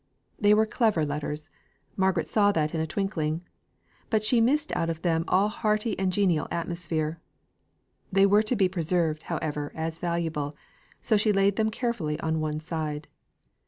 They were clever letters; Margaret saw that in a twinkling; but she missed out of them all hearty and genial atmosphere. They were to be preserved, however, as valuable; so she laid them carefully on one side.